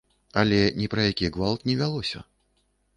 Але ні пра які гвалт не вялося.